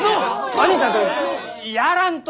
とにかくやらんと！